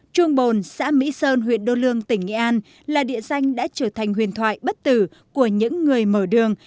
chuồng bồn xã mỹ sơn huyện đô lương tỉnh nghệ an là địa danh đã trở thành huyền thoại bất tử của những người mở đường